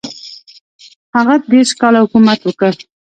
هغه دېرش کاله حکومت وکړ.